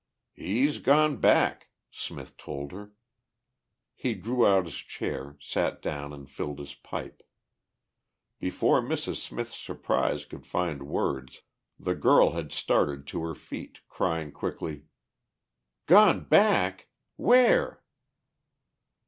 "He's gone back," Smith told her. He drew out his chair, sat down and filled his pipe. Before Mrs. Smith's surprise could find words the girl had started to her feet, crying quickly: "Gone back! Where?"